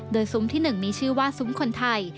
โดยซุ้มที่๑มีชื่อว่าซุ้มคนไทย